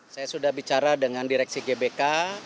saya sudah bicara dengan direksi gbk